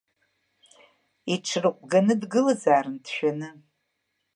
Иҽрыҟәганы дгылазаарын дшәаны.